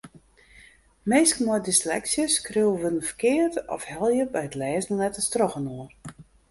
Minsken mei dysleksy skriuwe wurden ferkeard of helje by it lêzen letters trochinoar.